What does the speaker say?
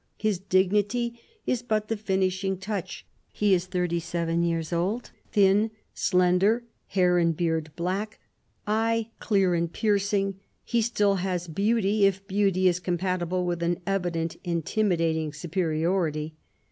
His dignity is but the finishing touch. He is thirty seven years old ; thin, slender, hair and beard black, eye clear and piercing, he still has beauty, if beauty is compatible with an evident, intimidating superiority.